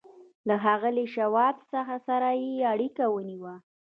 له ښاغلي شواب سره یې اړیکه ونیوه